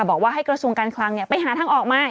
บอกว่าให้กระทรวงการคลังไปหาทางออกมา